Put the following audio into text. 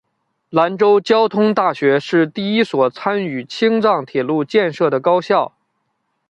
兰州交通大学是第一所参与青藏铁路建设的高校。